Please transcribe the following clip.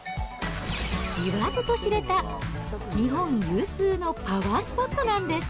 言わずと知れた日本有数のパワースポットなんです。